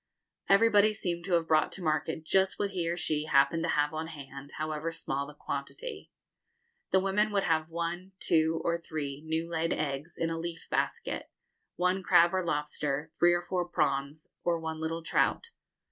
Everybody seemed to have brought to market just what he or she happened to have on hand, however small the quantity. The women would have one, two, or three new laid eggs in a leaf basket, one crab or lobster, three or four prawns, or one little trout.